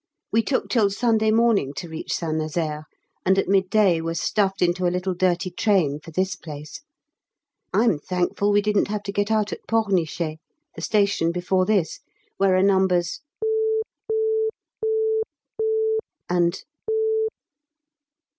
We took till Sunday morning to reach St Nazaire, and at midday were stuffed into a little dirty train for this place. I'm thankful we didn't have to get out at Pornichet, the station before this, where are Nos. ,,,, and